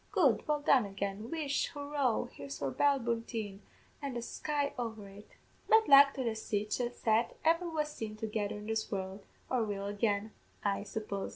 Good! Well done again Whish! Hurroo! Here's for Ballyboulteen, an' the sky over it!' "Bad luck to the sich a set ever was seen together in this world, or will again, I suppose.